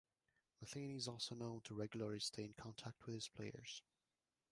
Matheny is also known to regularly stay in contact with his players.